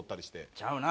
ちゃうな。